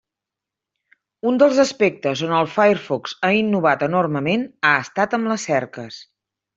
Un dels aspectes on el Firefox ha innovat enormement ha estat amb les cerques.